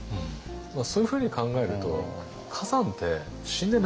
そういうふうに考えると崋山って死んでないんですよね。